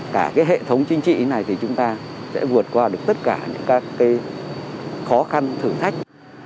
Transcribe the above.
cả hệ thống chính trị như thế này thì chúng ta sẽ vượt qua được tất cả những khó khăn thử thách